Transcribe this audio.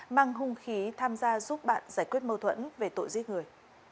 mang hung khí tham gia giúp bạn giải quyết mâu thuẫn về tội giết người